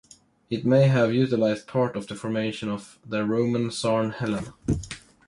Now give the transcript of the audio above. It may have utilised part of the formation of the Roman Sarn Helen.